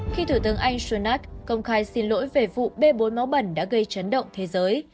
khi thủ tướng anh stonat công khai xin lỗi về vụ bê bối máu bẩn đã gây chấn động thế giới